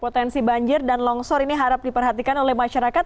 dan potensi banjir dan longsor ini harap diperhatikan oleh masyarakat